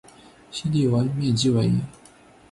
西帝汶面积为。